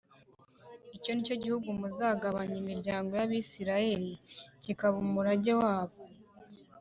Icyo ni cyo gihugu muzagabanya imiryango y Abisirayeli c kikaba umurage wabo